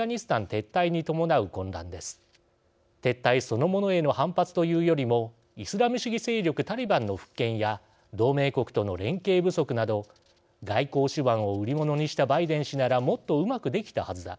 撤退そのものへの反発というよりもイスラム主義勢力タリバンの復権や同盟国との連携不足など「外交手腕を売り物にしたバイデン氏ならもっとうまくできたはずだ」